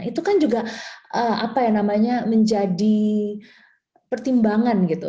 itu kan juga apa ya namanya menjadi pertimbangan gitu